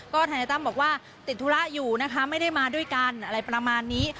ทนายตั้มบอกว่าติดธุระอยู่นะคะไม่ได้มาด้วยกันอะไรประมาณนี้